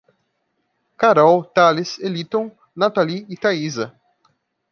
Carol, Thales, Eliton, Natali e Taísa